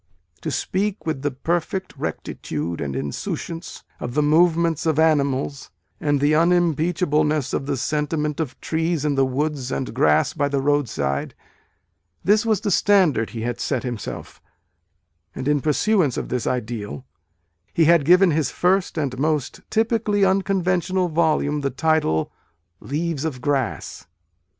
"To speak with the perfect rectitude and insouciance of the movements of animals, and the unimpeachableness of the sentiment of trees in the woods and grass by the roadside," this was the standard he had set himself: and, in pursuance of this ideal, he had given his first and most typically unconventional volume the title "Leaves of Grass.